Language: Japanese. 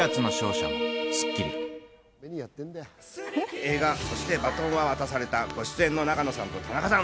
映画『そして、バトンは渡された』にご出演の永野さんと田中さん。